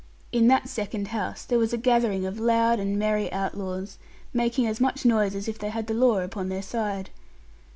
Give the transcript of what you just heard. In that second house there was a gathering of loud and merry outlaws, making as much noise as if they had the law upon their side.